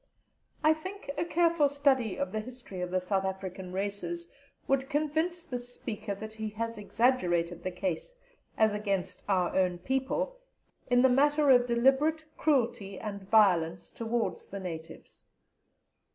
I think a careful study of the history of the South African races would convince this speaker that he has exaggerated the case as against "our own people" in the matter of deliberate cruelty and violence towards the natives.